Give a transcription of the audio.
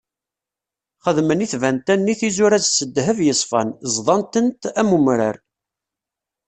Xedmen i tbanta-nni tizuraz s ddheb yeṣfan, ẓḍan-tent am wemrar.